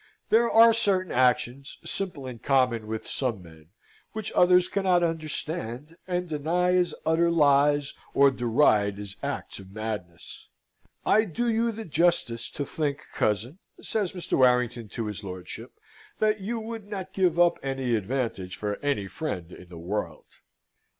There are certain actions, simple and common with some men, which others cannot understand, and deny as utter lies, or deride as acts of madness. "I do you the justice to think, cousin," says Mr. Warrington to his lordship, "that you would not give up any advantage for any friend in the world."